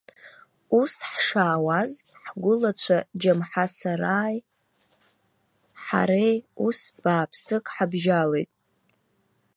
Ус ҳшаауаз, ҳгәылацәа џьамҳасарааи ҳареи ус бааԥсык ҳабжьалеит.